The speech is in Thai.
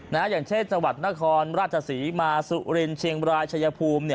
นะฮะอย่างเช่นจังหวัดอนทรรภ์ราชศรีมาสุรินทร์เฉียงรายเพลิม